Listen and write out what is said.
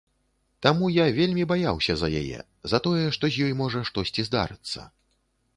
Таму я вельмі баяўся за яе, за тое, што з ёй можа штосьці здарыцца.